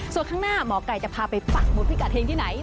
ส่วนข้างหน้าหมอไก่จะพาไปปักหมุดพิกัดเฮงที่ไหน